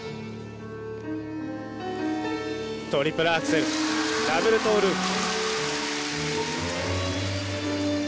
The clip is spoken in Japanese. トリプルアクセルダブルトウループ。